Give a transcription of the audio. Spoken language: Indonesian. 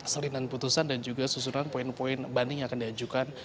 salinan putusan dan juga susunan poin poin banding yang akan diajukan